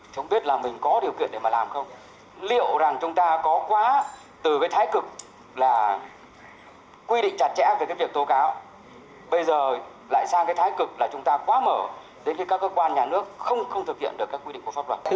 thái cực là chúng ta quá mở đến khi các cơ quan nhà nước không thực hiện được các quy định của pháp luật